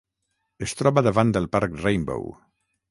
Es troba davant del parc Rainbow.